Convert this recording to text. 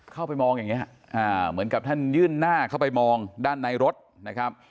เข้าไปมองอย่างนี้เหมือนกับท่านยื่นหน้าเข้าไปมองด้านในรถนะครับ